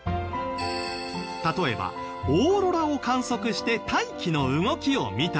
例えばオーロラを観測して大気の動きを見たり。